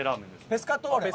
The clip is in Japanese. ペスカトーレ！